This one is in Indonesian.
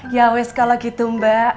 ya wes kalau gitu mbak